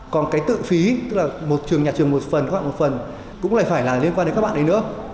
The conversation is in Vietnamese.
còn cái tự phí tức là một trường nhà trường một phần các bạn một phần cũng lại phải là liên quan đến các bạn ấy nữa